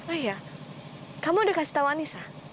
oh iya kamu udah kasih tau anissa